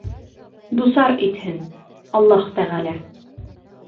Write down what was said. Дусар итһен Аллаһ Тәғәлә!